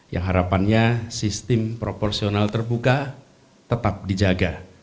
yang harapannya sistem proporsional terbuka tetap dijaga